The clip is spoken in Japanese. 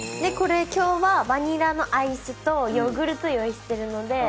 これ今日はバニラのアイスとヨーグルト用意してるので。